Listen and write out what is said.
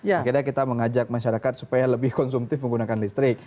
akhirnya kita mengajak masyarakat supaya lebih konsumtif menggunakan listrik